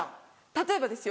例えばですよ